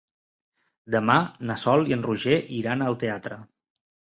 Demà na Sol i en Roger iran al teatre.